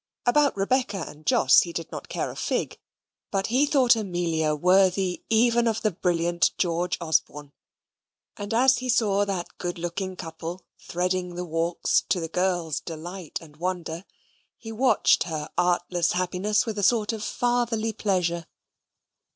About Rebecca and Jos he did not care a fig. But he thought Amelia worthy even of the brilliant George Osborne, and as he saw that good looking couple threading the walks to the girl's delight and wonder, he watched her artless happiness with a sort of fatherly pleasure.